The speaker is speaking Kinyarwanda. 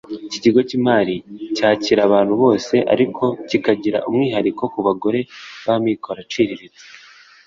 Iki kigo cy’imari cyakira abantu bose ariko kikagira umwihariko ku bagore b’amikoro aciriritse